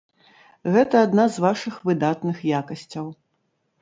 Гэта адна з вашых выдатных якасцяў.